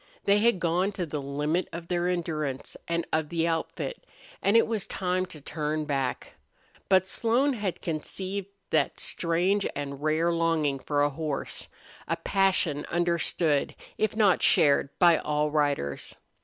They had gone to the limit of their endurance and of the outfit, and it was time to turn back. But Slone had conceived that strange and rare longing for a horse a passion understood, if not shared, by all riders.